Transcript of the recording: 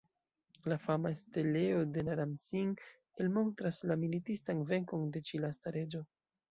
La fama steleo de Naram-Sin elmontras la militistan venkon de ĉi lasta reĝo.